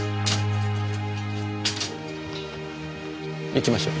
行きましょう。